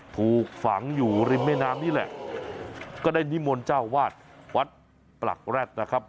ถูกฝังอยู่ริมแม่น้ำนี่แหละก็ได้นิมนต์เจ้าวาดวัดปลักแร็ดนะครับ